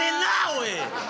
おい！